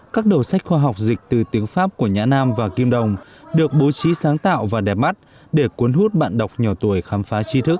các đầu sách khoa học dịch từ tiếng pháp của nhã nam và kim đồng được bố trí sáng tạo và đẹp mắt để cuốn hút bạn đọc nhỏ tuổi khám phá trí thức